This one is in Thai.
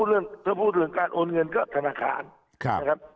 แต่ถ้าพูดเรื่องการโอนเงินก็ธนาคารนะครับ